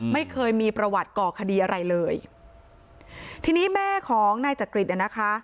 ไม่เคยมีประวัติก่อคดีอะไรเลยทีนี้แม่ของนายจักริตอ่ะนะคะ